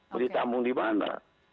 mau ditambung di mana